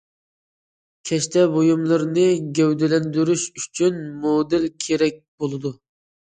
كەشتە بۇيۇملىرىنى گەۋدىلەندۈرۈش ئۈچۈن مودېل كېرەك بولىدۇ.